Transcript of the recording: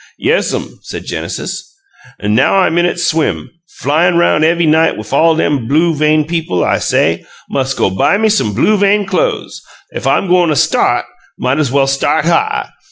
"Yesm," said Genesis. "Now I'm in 'at Swim flyin' roun' ev'y night wif all lem blue vein people I say, 'Mus' go buy me some blue vein clo'es! Ef I'm go'n' a START, might's well start HIGH!'